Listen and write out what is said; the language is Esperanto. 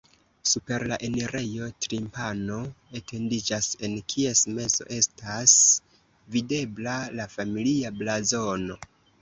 Super la enirejo timpano etendiĝas, en kies mezo estas videbla la familia blazono.